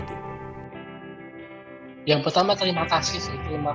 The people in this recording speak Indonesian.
rasa rindu ia sampaikan lewat ungkapan terima kasih yang mendalam kepada seorang kakak